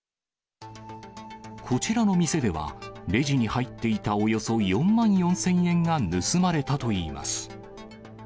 こちらの店では、レジに入っていたおよそ４万４０００円が盗まれたといいます。